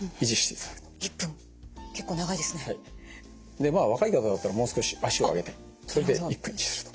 で若い方だったらもう少し脚を上げてそれで１分維持すると。